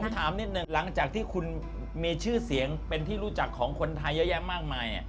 ถามนิดหนึ่งหลังจากที่คุณมีชื่อเสียงเป็นที่รู้จักของคนไทยเยอะแยะมากมาย